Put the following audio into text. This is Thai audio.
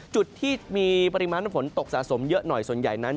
จุดที่มีปริมาณน้ำฝนตกสะสมเยอะหน่อยส่วนใหญ่นั้น